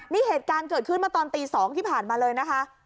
นี่เหตุการณ์เกิดขึ้นมาตอนตี๒ที่ผ่านมาเลยนะคะ